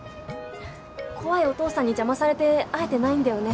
怖いお父さんに邪魔されて会えてないんだよね？